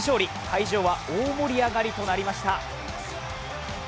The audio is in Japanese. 会場は大盛り上がりとなりました。